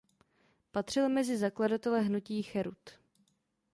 Patřil mezi zakladatele hnutí Cherut.